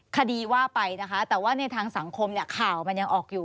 คดีว่าไปนะคะแต่ว่าในทางสังคมเนี่ยข่าวมันยังออกอยู่